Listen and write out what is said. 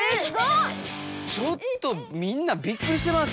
ちょっとみんなびっくりしてます。